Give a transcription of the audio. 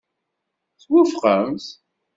Twufqemt?